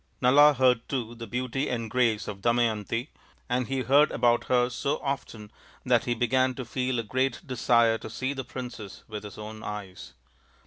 Nala heard too of the beauty and grace of Damayanti, and he heard about her so often that he began to feel a great desire to see the princess with his own eyes.